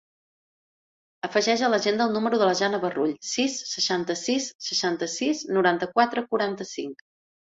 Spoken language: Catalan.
Afegeix a l'agenda el número de la Jana Barrull: sis, seixanta-sis, seixanta-sis, noranta-quatre, quaranta-cinc.